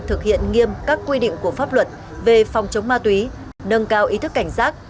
thực hiện nghiêm các quy định của pháp luật về phòng chống ma túy nâng cao ý thức cảnh giác